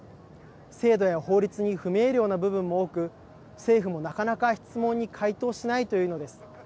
制度や法律に不明瞭な部分も多く政府もなかなか質問に回答しないというのです。